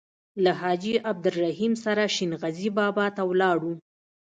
له حاجي عبدالرحیم سره شین غزي بابا ته ولاړو.